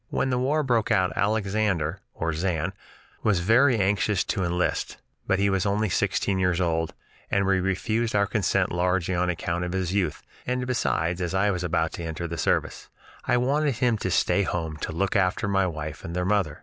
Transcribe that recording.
When the war broke out Alexander (or "Zan") was very anxious to enlist, but he was only sixteen years old, and we refused our consent largely on account of his youth, and besides, as I was about to enter the service, I wanted him to stay at home to look after my wife and their mother.